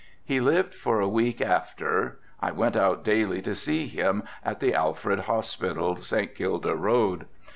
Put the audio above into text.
He lived for a week after, I went out daily to see him at the Alfred Hospital, St. Kilda Road.